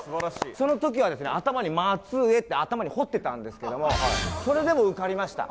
その時はですね頭に「まつえ」って頭にほってたんですけどもそれでも受かりました。